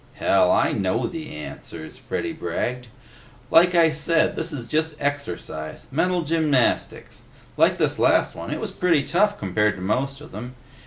"Hell, I know the answers," Freddy bragged. "Like I said, this is just exercise. Mental gymnastics. Like this last one; it was pretty tough compared to most of them.